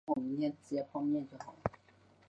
赐祭葬如例曾祖父刘澄。